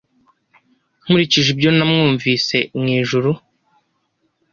Nkurikije ibyo namwumvise mwijuru